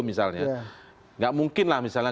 misalnya nggak mungkin lah misalnya